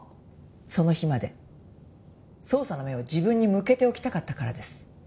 その日まで捜査の目を自分に向けておきたかったからです。